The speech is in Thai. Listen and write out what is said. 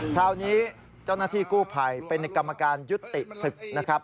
คราวนี้เจ้าหน้าที่กู้ภัยเป็นกรรมการยุติศึกนะครับ